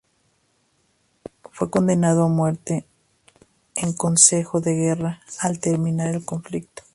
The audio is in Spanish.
Fue condenado a muerte en consejo de guerra al terminar el conflicto.